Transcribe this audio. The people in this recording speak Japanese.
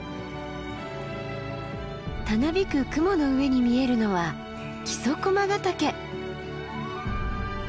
たなびく雲の上に見えるのは木曽駒ヶ岳。